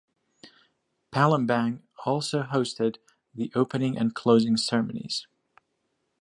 Palembang also hosted the opening and closing ceremonies.